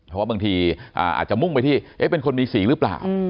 เพราะว่าบางทีอาจจะมุ่งไปที่เป็นคนมีสีหรือเปล่า